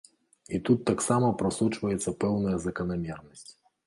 І тут таксама прасочваецца пэўная заканамернасць.